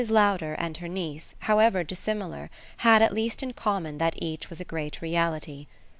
Lowder and her niece, however dissimilar, had at least in common that each was a great reality.